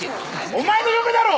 お前の嫁だろ！